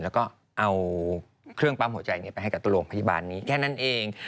แล้วก็เอาเครื่องปั๊มหัวใจไปให้กับตัวโรงพยาบาลนี้แค่นั้นเอง